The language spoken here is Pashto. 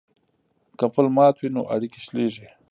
که پل مات وي نو اړیکې شلیږي.